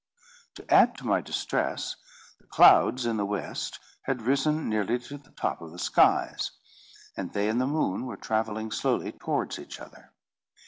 To add to my distress, the clouds in the west had risen nearly to the top of the skies, and they and the moon were travelling slowly towards each other.